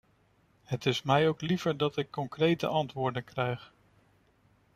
Het is mij ook liever dat ik concrete antwoorden krijg.